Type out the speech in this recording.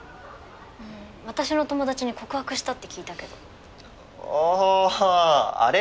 あの私の友達に告白したって聞いたけどあぁあれ？